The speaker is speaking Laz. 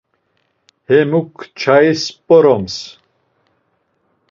Hemuk çais p̌oroms.